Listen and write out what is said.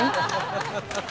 ハハハハ！